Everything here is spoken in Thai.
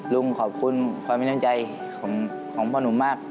ลุงขอบคุณความมีน้ำใจของพ่อหนุ่มมาก